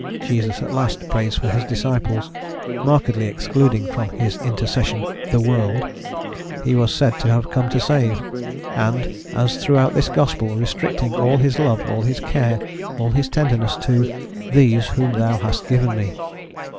Jesus, at last, prays for his disciples, markedly excluding from his intercession "the world" he was said to have come to save, and, as throughout this gospel, restricting all his love, all his care, all his tenderness to "these, whom Thou hast given me."